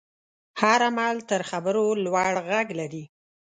هر عمل تر خبرو لوړ غږ لري.